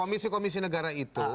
komisi komisi negara itu